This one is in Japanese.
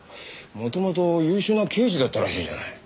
元々優秀な刑事だったらしいじゃない。